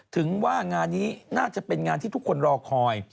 ถึงว่างานนี้น่าจะเป็นงานที่ทุกคนรอคอย